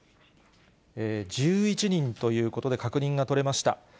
１１人ということで、確認が取れました。